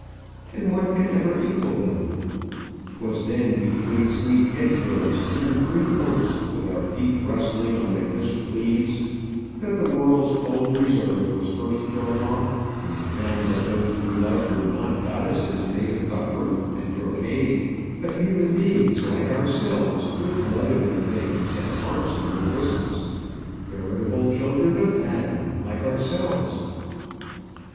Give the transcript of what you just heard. And what can ever equal them? 'Twas then, between sweet hedgerows, under green oaks, with our feet rustling on the crisp leaves, that the world's cold reserve was first thrown off, and we found that those we loved were not goddesses made of buckram and brocade, but human beings like ourselves, with blood in their veins, and hearts in their bosoms veritable children of Adam like ourselves.